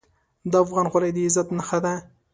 د افغان خولۍ د عزت نښه ده.